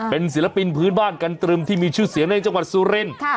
เป็นศิลปินพื้นบ้านกันตรึมที่มีชื่อเสียงในจังหวัดสุรินทร์